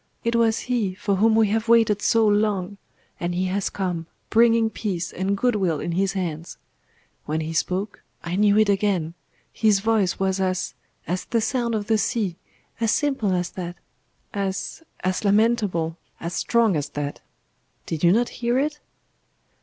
It was He for whom we have waited so long; and He has come, bringing Peace and Goodwill in His hands. When He spoke, I knew it again. His voice was as as the sound of the sea as simple as that as as lamentable as strong as that. Did you not hear it?"